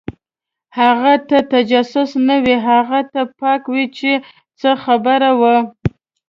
هغه ته نجس نه و، هغه ته پاک و چې څه خبره وه.